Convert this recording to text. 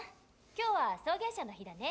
今日は送迎車の日だね。